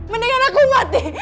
mendingan aku mati